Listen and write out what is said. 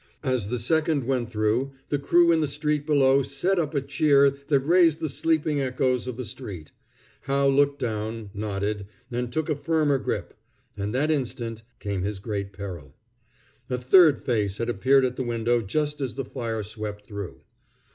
As the second went through, the crew in the street below set up a cheer that raised the sleeping echoes of the street. Howe looked down, nodded, and took a firmer grip; and that instant came his great peril. A third face had appeared at the window just as the fire swept through.